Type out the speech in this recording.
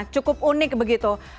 cukup unik begitu